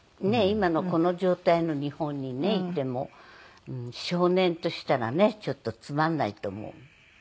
今のこの状態の日本にねいても少年としたらねちょっとつまらないと思う。